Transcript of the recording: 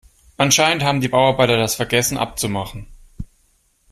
Anscheinend haben die Bauarbeiter das vergessen abzumachen.